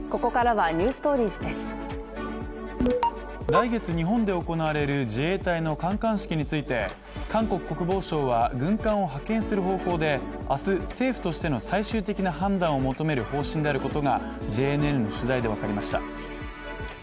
来月、日本で行われる自衛隊の観艦式について韓国国防省は軍艦を派遣する方向で明日政府としての最終的な判断を求める方針であることがＪＮＮの取材で分かりました。